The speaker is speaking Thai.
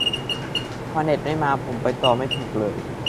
พอเน็ตไม่มาผมไปต่อไม่ถูกเลย